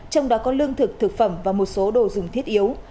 trong đó có lương thực thực phẩm và một số đồ dùng thiết yếu